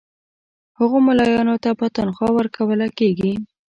هغو مُلایانو ته به تنخوا ورکوله کیږي.